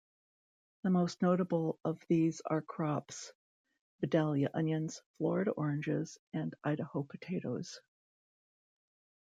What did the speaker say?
The most notable of these are crops: Vidalia onions, Florida oranges, and Idaho potatoes.